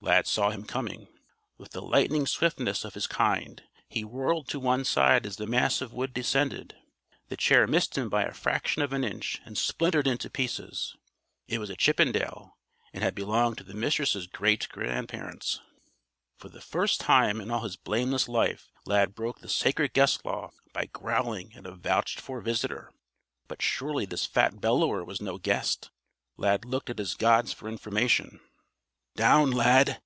Lad saw him coming. With the lightning swiftness of his kind he whirled to one side as the mass of wood descended. The chair missed him by a fraction of an inch and splintered into pieces. It was a Chippendale, and had belonged to the Mistress' great grandparents. For the first time in all his blameless life Lad broke the sacred Guest Law by growling at a vouched for visitor. But surely this fat bellower was no guest! Lad looked at his gods for information. "Down, Lad!"